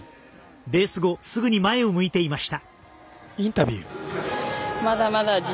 レース後すぐに前を向いていました。